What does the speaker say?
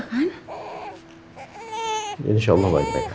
sini sini gantuk ya